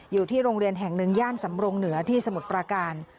อยู่ที่โรงเรียนแห่งหนึ่งย่านสำรงเหนือที่สมุทรประการ